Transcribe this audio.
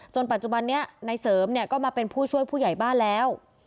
ปัจจุบันนี้นายเสริมเนี่ยก็มาเป็นผู้ช่วยผู้ใหญ่บ้านแล้ว